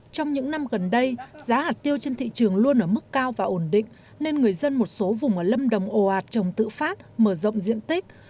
trong những năm gần đây giá hạt tiêu trên thị trường luôn ở mức cao và ổn định nên người dân một số vùng ở lâm đồng ồ ạt trồng tự phát mở rộng diện tích